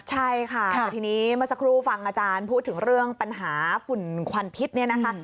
ใช่ค่ะแต่ทีนี้เมื่อสักครู่ฟังอาจารย์พูดถึงเรื่องปัญหาฝุ่นควันพิษเนี่ยนะคะ